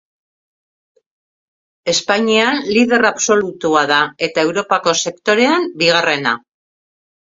Espainian lider absolutua da eta Europako sektorean bigarrena.